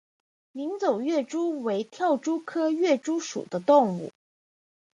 鸣走跃蛛为跳蛛科跃蛛属的动物。